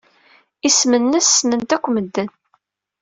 Isem-nnes ssnen-t akk medden.